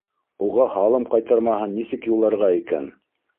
Уға һалым ҡайтармаһын нисек юлларға икән?